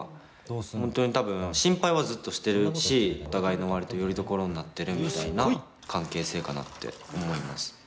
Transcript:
本当に多分心配はずっとしてるしお互いの割とよりどころになってるみたいな関係性かなって思います。